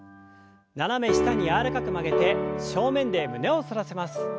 斜め下に柔らかく曲げて正面で胸を反らせます。